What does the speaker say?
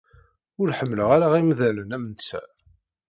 Ur ḥemmleɣ ara imdanen am netta.